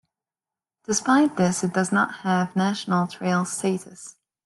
Despite this it does not have National Trail status.